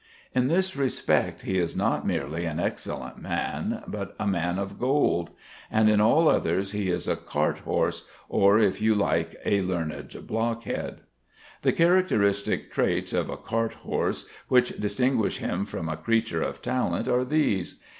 In this respect he is not merely an excellent man, but a man of gold; but in all others he is a cart horse, or if you like a learned blockhead. The characteristic traits of a cart horse which distinguish him from a creature of talent are these.